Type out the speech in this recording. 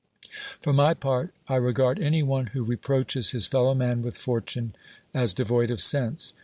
For my part, I regard any one, who reproaches his fellow man with fortune, as devoid of sense.